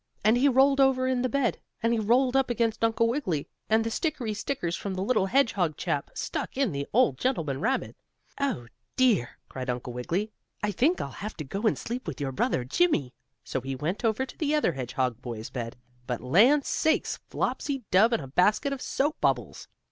And he rolled over in the bed, and he rolled up against Uncle Wiggily, and the stickery stickers from the little hedgehog chap stuck in the old gentleman rabbit. "Oh, dear!" cried Uncle Wiggily, "I think I'll have to go and sleep with your brother Jimmie." So he went over to the other hedgehog boy's bed, but land sakes flopsy dub and a basket of soap bubbles!